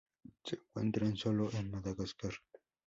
Se encuentra en sólo en Madagascar.